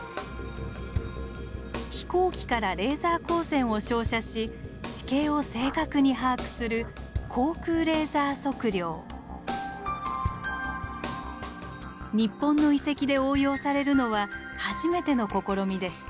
飛行機からレーザー光線を照射し地形を正確に把握する日本の遺跡で応用されるのは初めての試みでした。